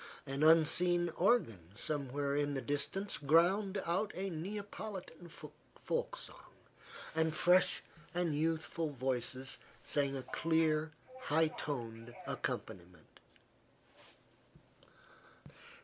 An unseen organ somewhere in the distance ground out a Neapolitan folk song, and fresh and youthful voices sang a clear, high toned accompaniment.